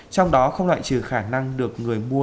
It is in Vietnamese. trong đó không loại trừ khả năng được người mua